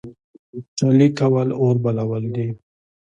چغلي کول اور بلول دي